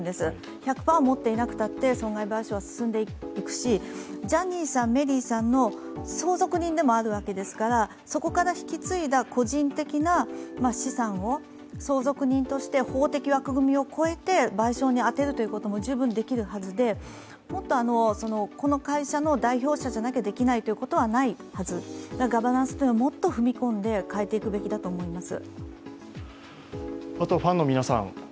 １００％持っていなくたって損害賠償は進んでいくし、ジャニーさん、メリーさんの相続人でもあるわけですから、そこから引き継いだ個人的な資産を相続人として法的枠組みを超えて賠償に充てることも十分できるはずでもっと、この会社の代表者じゃなきゃできないということはないはず、ガバナンスというのをもっと踏み込んで変えていくべきだと思います。